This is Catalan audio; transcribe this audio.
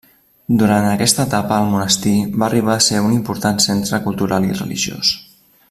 Durant aquesta etapa el monestir va arribar a ser un important centre cultural i religiós.